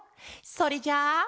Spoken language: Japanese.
それじゃあ。